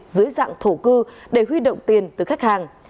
dưới dạng thổ cư để huy động tiền từ khách hàng